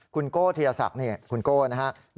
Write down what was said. คุณโก้ธีรศักดิ์คุณโก้นะครับ